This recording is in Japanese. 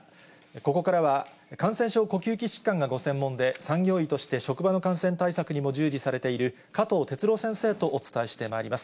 ここからは、感染症、呼吸器疾患がご専門で、産業医として職場の感染対策にも従事されている、加藤哲朗先生とお伝えしてまいります。